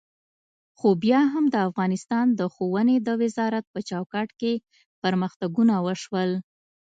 خو بیا هم د افغانستان د ښوونې د وزارت په چوکاټ کې پرمختګونه وشول.